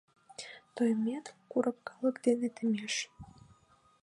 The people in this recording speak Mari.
Тоймет курык калык дене темеш.